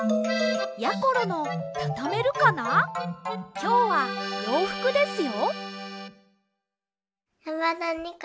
きょうはようふくですよ。